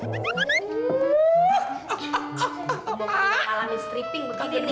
bukanya malah mistripping begini nih